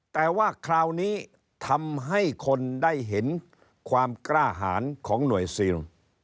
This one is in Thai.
แต่ว่าคราวนี้ทำให้คนได้เห็นความกล้าหารของหน่วยซิล